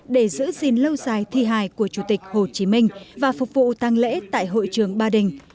để giữ gìn lâu dài thi hài của chủ tịch hồ chí minh và phục vụ tăng lễ tại hội trường ba đình